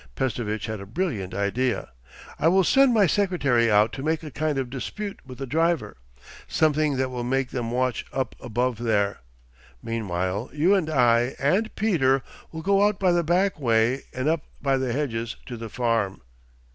Pestovitch had a brilliant idea. 'I will send my secretary out to make a kind of dispute with the driver. Something that will make them watch up above there. Meanwhile you and I and Peter will go out by the back way and up by the hedges to the farm....